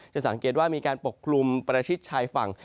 จะสังเกตว่ามีการปกคลุมประชิดชายฝั่ง